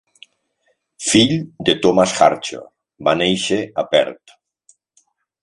Fill de Thomas Archer, va néixer a Perth.